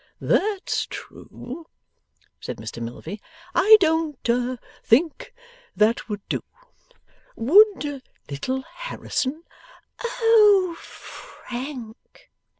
'That's true,' said Mr Milvey. 'I don't think that would do. Would little Harrison ' 'Oh, FRANK!